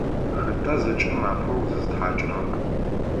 Хэта зэкӏэм апэу зызытхьакӏырэр?